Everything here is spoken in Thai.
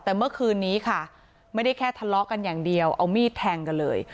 แต่เมื่อคืนนี้ค่ะไม่ได้แค่ทะเลาะกันอย่างเดียวเอามีดแทงกันเลย